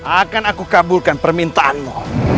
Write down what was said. akan aku kabulkan permintaanmu